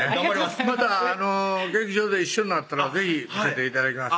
また劇場で一緒になったら是非見せて頂きます